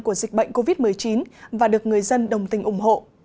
của dịch bệnh covid một mươi chín và được người dân đồng tình ủng hộ